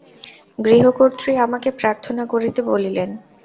গৃহকর্ত্রী আমাকে প্রার্থনা করিতে বলিলেন।